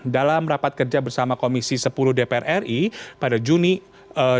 dalam rapat kerja bersama kolonial piala indonesia mencapai dua ratus miliar rupiah